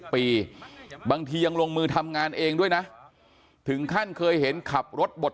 ปีบางทียังลงมือทำงานเองด้วยนะถึงขั้นเคยเห็นขับรถบท